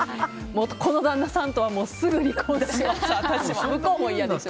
この旦那さんとはすぐ離婚します。